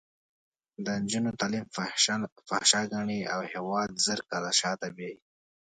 د نجونو تعلیم فحشا ګڼي او هېواد زر کاله شاته بیایي.